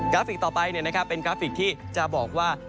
ราฟิกต่อไปเป็นกราฟิกที่จะบอกว่า